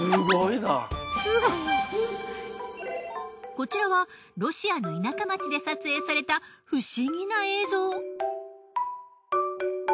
こちらはロシアの田舎町で撮影された不思議な映像。